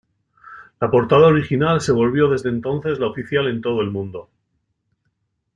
La portada original se volvió desde entonces la oficial en todo el mundo.